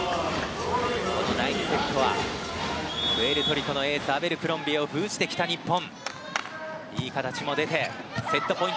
第２セットは、プエルトリコのエース、アベルクロンビエを封じてきた日本。